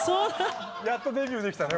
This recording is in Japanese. やっとデビューできたね